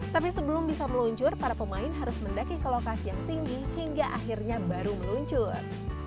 tapi sebelum bisa meluncur para pemain harus mendaki ke lokasi yang tinggi hingga akhirnya baru meluncur